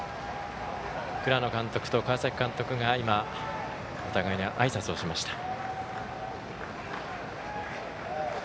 倉野監督と川崎監督が今、お互いにあいさつをしました。